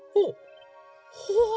ほう。